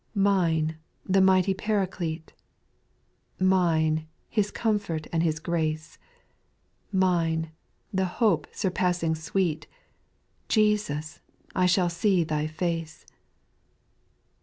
6. Mine, the mighty Paraclete, Mine, His comfort and His grace, Mine, the hope surpassing sweet, — Jesus I I shall see Thy face.